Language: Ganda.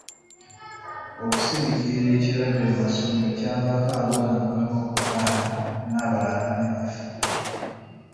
Okusirikira ekirwadde mu masomero kyavaako abaana abamu okulwala n’abalala ne bafa.